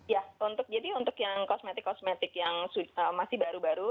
ya jadi untuk yang kosmetik kosmetik yang masih baru baru